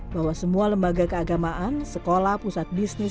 bahwa semua lembaga keagamaan sekolah pusat bisnis